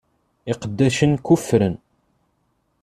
Iqeddacen kuffren.